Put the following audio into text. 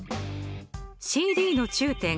ＣＤの中点